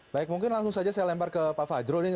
baik mungkin langsung saja saya lempar ke pak fajrul ini